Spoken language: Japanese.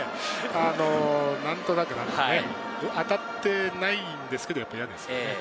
何となく当たってないんですけど、やっぱり嫌ですね。